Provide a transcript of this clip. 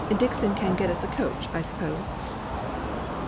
Dixon can get us a coach, I suppose?"